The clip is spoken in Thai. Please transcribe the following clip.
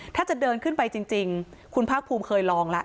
ถ้าจะเดินขึ้นไปจริงคุณภาคภูมิเคยลองแล้ว